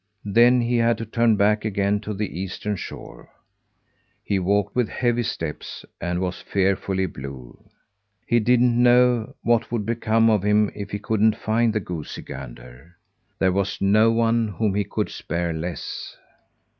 Then he had to turn back again to the eastern shore. He walked with heavy steps, and was fearfully blue. He didn't know what would become of him if he couldn't find the goosey gander. There was no one whom he could spare less.